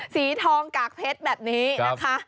สีทองกากเพชรแบบนี้นะคะ